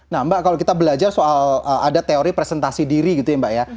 nah mbak kalau kita belajar soal ada teori presentasi diri gitu ya mbak ya